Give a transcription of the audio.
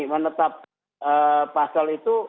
menetap pasal itu